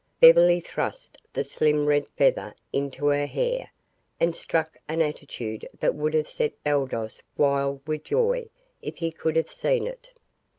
Beverly thrust the slim red feather into her hair, and struck an attitude that would have set Baldos wild with joy if he could have seen it.